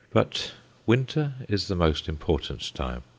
But winter is the most important time.